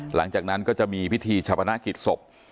หลังจากนั้นก็จะมีพิธีชะพนักกิจศพ